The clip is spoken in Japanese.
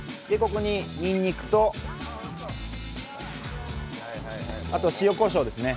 ここににんにくと塩こしょうですね。